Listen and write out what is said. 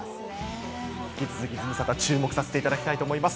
引き続き、ズムサタで注目させていただきたいと思います。